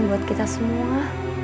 buat kita semua